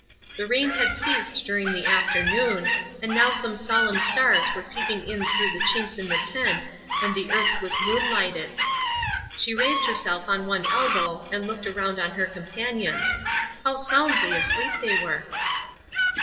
The rain had ceased during the afternoon, and now some solemn stars were peeping in through the chinks in the tent and the earth was moon lighted. She raised herself on one elbow and looked around on her companions. How soundly asleep they were!